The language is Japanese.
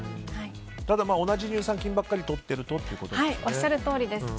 ただ同じ乳酸菌ばかりとってるとということですね。